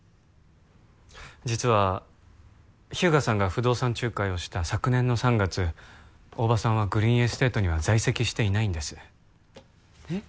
実は日向さんが不動産仲介をした昨年の３月大庭さんはグリーンエステートには在籍していないんですえっ？